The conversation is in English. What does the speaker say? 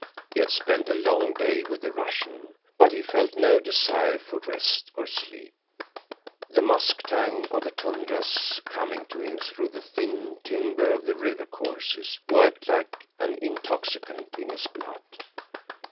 He had spent a long day with the Russian, but he felt no desire for rest or sleep. The musk tang of the tundras, coming to him through the thin timber of the river courses, worked like an intoxicant in his blood.